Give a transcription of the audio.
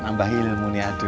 nambah ilmu nih adul